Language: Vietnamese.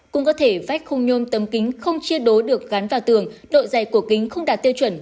cũng có thể vách khung nhôm tấm kính không chia đố được gắn vào tường độ dày cổ kính không đạt tiêu chuẩn